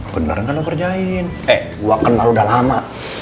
beneran kan lo kerjain eh gua kenal udah lama